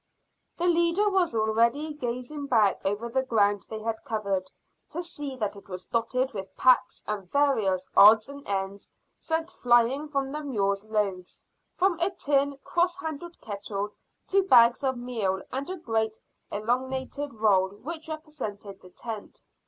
The leader was already gazing back over the ground they had covered, to see that it was dotted with packs and various odds and ends sent flying from the mules' loads, from a tin cross handled kettle to bags of meal and a great elongated roll which represented the tent.